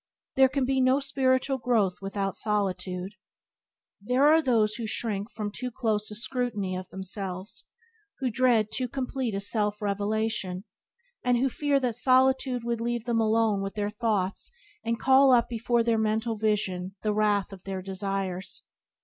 There can be no spiritual growth without solitude. There are those who shrink from too close a scrutiny of themselves, who dread too complete a self revelation, and who fear that solitude which would leave them alone with their own thoughts and call up before their mental vision the wraith of their desires.